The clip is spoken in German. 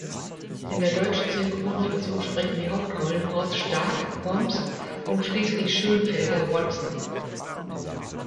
In der deutschen Synchronfassung sprechen die Hauptrollen Horst Stark (Holmes) und Friedrich Schoenfelder (Watson).